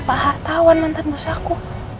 pak hartawan mantan bos aku